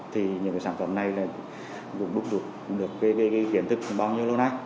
thì những cái sản phẩm này là cũng đúc đục được cái kiến thức bao nhiêu lâu nay